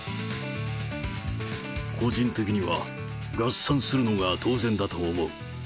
個人的には、合算するのが当然だと思う。